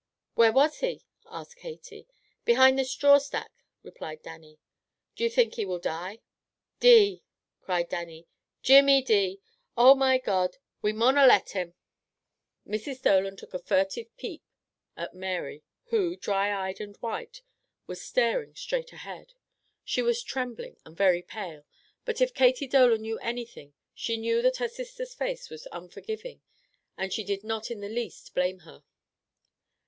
"Where was he?" asked Katy. "Behind the straw stack," replied Dannie. "Do you think he will die?" "Dee!" cried Dannie. "Jimmy dee! Oh, my God! We mauna let him!" Mrs. Dolan took a furtive peep at Mary, who, dry eyed and white, was staring straight ahead. She was trembling and very pale, but if Katy Dolan knew anything she knew that her sister's face was unforgiving and she did not in the least blame her.